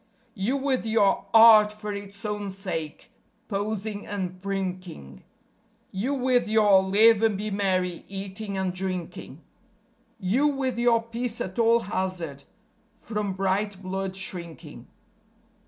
You with your "Art for its own sake", posing and prinking; You with your "Live and be merry", eating and drinking; You with your "Peace at all hazard", from bright blood shrinking.